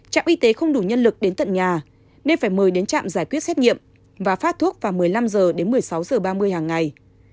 trạm y tế không đủ nhân lực đến tận nhà nên phải mời đến trạm giải quyết xét nghiệm và phát thuốc vào một mươi năm h đến một mươi sáu h ba mươi hàng ngày